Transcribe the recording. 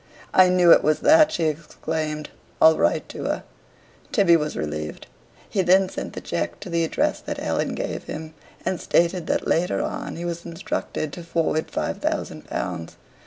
"I knew it was that!" she exclaimed. "I'll write to her." Tibby was relieved. He then sent the cheque to the address that Helen gave him, and stated that later on he was instructed to forward five thousand pounds.